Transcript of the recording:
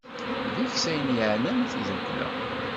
Deg-s ayen yakk yeɛnan tiddukkla.